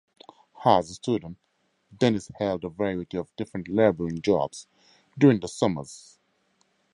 As a student, Dennis held a variety of different labouring jobs during the summers.